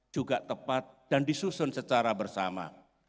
juga tepat dan disusun secara bersama